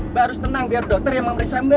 mbak harus tenang biar dokter yang memeriksa mbak